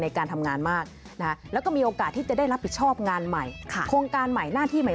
ในการทำงานมากแล้วก็มีโอกาสที่จะได้รับผิดชอบงานใหม่โครงการใหม่หน้าที่ใหม่